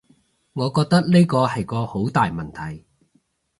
我覺得呢個係個好大問題